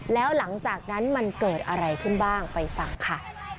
แล้วหลังจากนั้นมันเกิดอะไรขึ้นบ้างไปฟังค่ะ